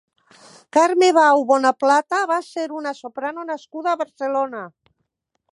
Carme Bau Bonaplata va ser una soprano nascuda a Barcelona.